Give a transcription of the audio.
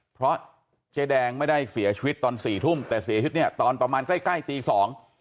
เพราะเจ๊แดงไม่ได้เสียชีวิตตอนสี่ทุ่มแต่เสียชีวิตเนี่ยตอนประมาณใกล้ใกล้ตีสอง